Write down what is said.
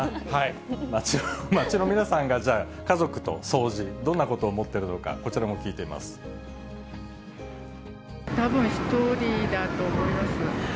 街の皆さんが、じゃあ家族と掃除、どんなことを思っているのか、たぶん１人だと思います。